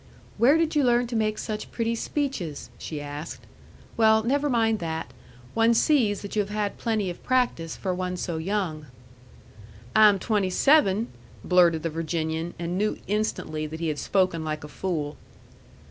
"Where did you learn to make such pretty speeches?" she asked. "Well, never mind that. One sees that you have had plenty of practice for one so young." "I am twenty seven," blurted the Virginian, and knew instantly that he had spoken like a fool.